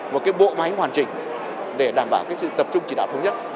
một cái bộ máy hoàn chỉnh để đảm bảo cái sự tập trung chỉ đạo thống nhất